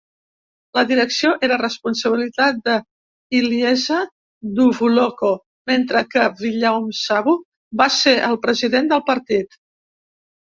La direcció era responsabilitat d"Iliesa Duvuloco, mentre que Viliame Savu va ser el president del partit.